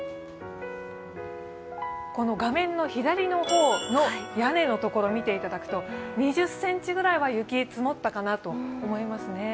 この画面の左の方の屋根のところ、見ていただくと２０ｃｍぐらいは雪、積もったかなと思いますね。